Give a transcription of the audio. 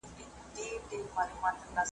چي اولسونه ځانته بلا سي .